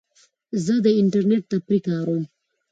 زه د انټرنیټ تفریح کاروم.